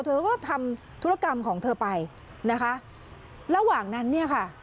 เธอก็ทำธุรกรรมของเธอไปนะคะระหว่างนั้นเนี่ยค่ะ